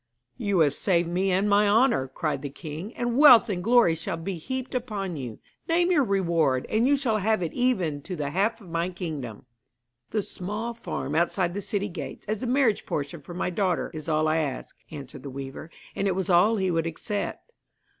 'You have saved me and my honour,' cried the king, 'and wealth and glory shall be heaped upon you. Name your reward, and you shall have it even to the half of my kingdom.' 'The small farm outside the city gates, as a marriage portion for my daughter, is all I ask,' answered the weaver, and it was all he would accept.